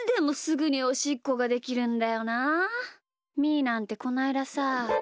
ーなんてこないださ。